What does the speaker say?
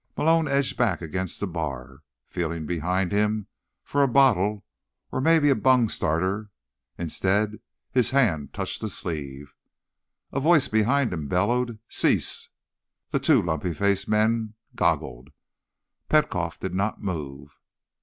Malone edged back against the bar, feeling behind him for a bottle or maybe a bungstarter. Instead, his hand touched a sleeve. A voice behind him bellowed: "Cease!" The two lumpy faced men goggled. Petkoff did not move.